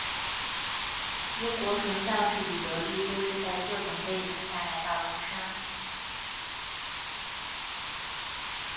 英国传教士李德立就是在这种背景下来到庐山。